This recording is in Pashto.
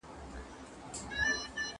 موټر ورو چلوئ چې ژوند مو خوندي وي.